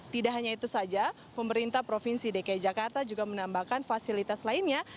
tidak hanya itu saja pemerintah provinsi dki jakarta juga menambahkan fasilitas lainnya